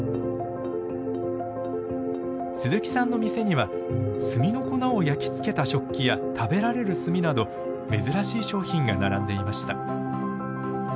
鈴木さんの店には炭の粉を焼き付けた食器や食べられる炭など珍しい商品が並んでいました。